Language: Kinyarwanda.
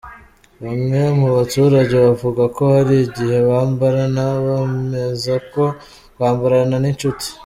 Bamwe mu baturage bavuga ko hari igihe bambarana, bemeza ko kwambarana n’inshuti.